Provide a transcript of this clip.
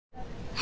あ！